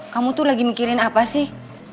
kamu tuh lagi mikirin apa sih